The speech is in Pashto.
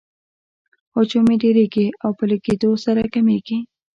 حجم یې ډیریږي او په لږیدو سره کمیږي.